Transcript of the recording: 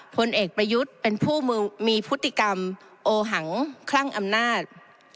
พลเอกประยุทธ์เป็นผู้มีพฤติกรรมโอหังคลั่งอำนาจ